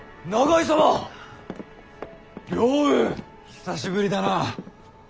久しぶりだな。